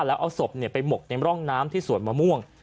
แล้วเอาศพไปหมกในร่องน้ำที่สวนมะม่วง